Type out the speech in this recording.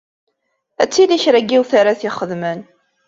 Ad tili kra n yiwet ara t-ixedmen.